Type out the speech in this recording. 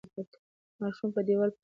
ماشوم په دیوال پورې ځان وواهه.